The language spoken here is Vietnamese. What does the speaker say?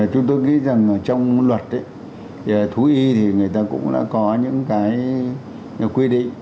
chúng tôi nghĩ rằng trong luật thú y thì người ta cũng đã có những cái quy định